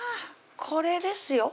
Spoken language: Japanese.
これですよ